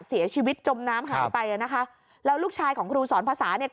จมน้ำหายไปอ่ะนะคะแล้วลูกชายของครูสอนภาษาเนี่ย